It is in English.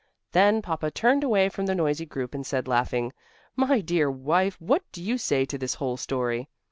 Then Papa turned away from the noisy group and said, laughing: "My dear wife, what do you say to this whole story?"